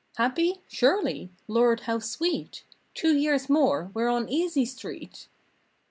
Happy? Surely! Lord, how sweet! Two years more, we're on Easy Street!!!